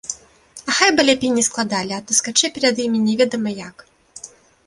А хай бы лепей не складалі, а то скачы перад імі немаведама як!